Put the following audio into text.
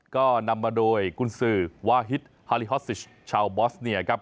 ก็นำมาโดยกุญสือวาฮิตฮาลิฮอสซิชชาวบอสเนียครับ